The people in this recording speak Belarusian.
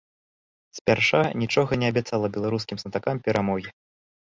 Спярша нічога не абяцала беларускім знатакам перамогі.